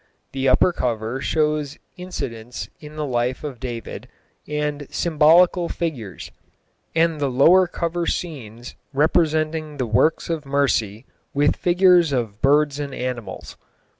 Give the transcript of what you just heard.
The upper cover shows incidents in the life of David, and symbolical figures, and the lower cover scenes representing the works of Mercy, with figures of birds and animals.